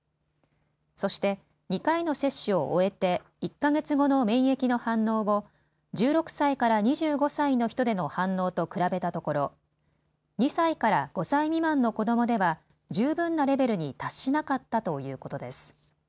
そして２回の接種を終えて１か月後の免疫の反応を１６歳から２５歳の人での反応と比べたところ２歳から５歳未満の子どもでは十分なレベルに達しなかったということです。